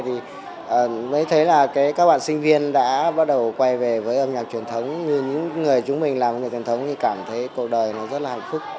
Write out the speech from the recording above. thì mới thấy là các bạn sinh viên đã bắt đầu quay về với âm nhạc truyền thống như những người chúng mình làm công nghệ truyền thống thì cảm thấy cuộc đời nó rất là hạnh phúc